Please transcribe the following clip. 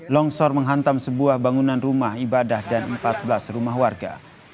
longsor menghantam sebuah bangunan rumah ibadah dan empat belas rumah warga